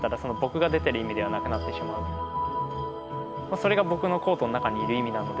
それが僕のコートの中にいる意味なので。